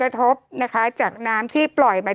โทษทีน้องโทษทีน้อง